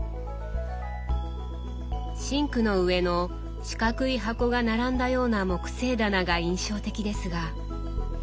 シンクの上の四角い箱が並んだような木製棚が印象的ですが。